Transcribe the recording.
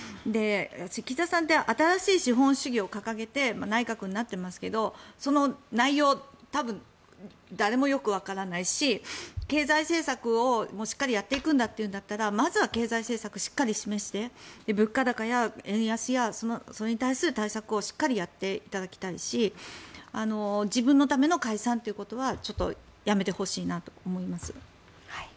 岸田さんって新しい資本主義を掲げて内閣になってますけどその内容、多分誰もよくわからないし経済政策をしっかりやっていくんだというならまずは経済政策をしっかり示して物価高や円安やそれに対する対策をしっかりやっていただきたいし自分のための解散ということはちょっとやめてほしいなと思います。